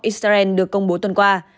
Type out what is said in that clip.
israel được công bố tuần qua